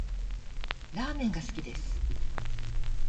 ラーメンが好きです